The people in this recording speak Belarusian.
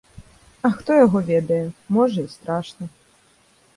А хто яго ведае, можа, і страшна.